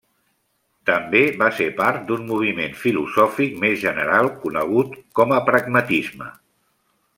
També va ser part d'un moviment filosòfic més general conegut com a pragmatisme.